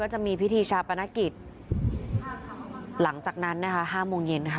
ก็เลยไปจ้างผู้รับเหมาชนใหม่